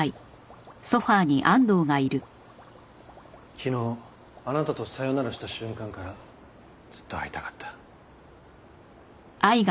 昨日あなたとさよならした瞬間からずっと会いたかった。